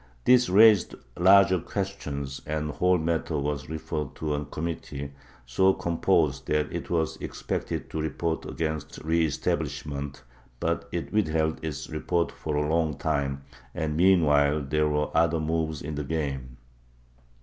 This raised larger questions and the whole matter was referred to a committee so composed that it was expected to report against re establishment, but it withheld its report for a long time and meanwhile there were other moves in the game.